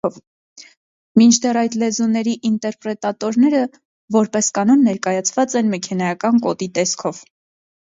Մինչդեռ այդ լեզուների ինտերպրետատորները որպես կանոն ներկայացված են մեքենայական կոդի տեսքով։